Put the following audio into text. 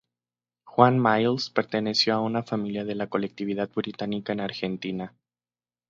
Juan Miles perteneció a una familia de la colectividad británica en Argentina.